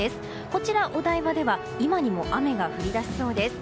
こちら、お台場では今にも雨が降り出しそうです。